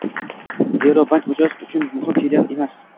Zero, bank mijoz uchun muhim, filial emas